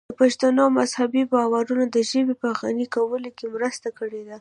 د پښتنو مذهبي باورونو د ژبې په غني کولو کې مرسته کړې ده.